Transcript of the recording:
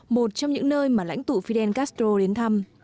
một trong những nơi mà lãnh tụ fidel castro đến thăm